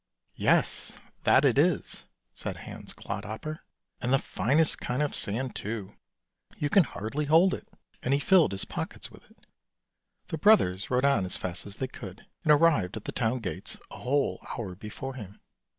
"" Yes, that it is," said Hans Clodhopper, " and the finest kind of sand, too. You can hardly hold it." And he filled his pockets with it. The brothers rode on as fast as they could, and arrived at the town gates a whole hour before him.